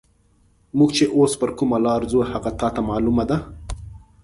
موږ چې اوس پر کومه لار ځو، هغه تا ته معلومه ده؟